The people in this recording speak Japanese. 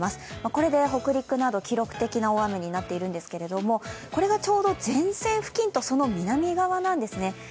これで北陸など記録的な大雨になっているんですけれども、これがちょど前線付近とその南側なんですね。